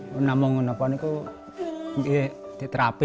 saya tidak mau menerima terapi